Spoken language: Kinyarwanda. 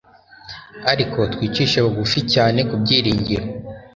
Ariko twicishe bugufi cyane ku byiringiro